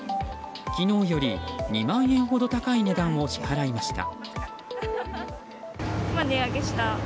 昨日より２万円ほど高い値段を支払いました。